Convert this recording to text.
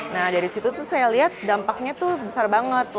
nah dari situ saya lihat dampaknya besar banget